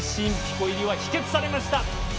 湖入りは否決されました。